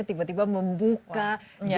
tiba tiba membuka jendela